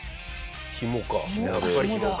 ひもか。